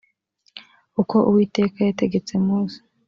uko uwiteka yategetse mose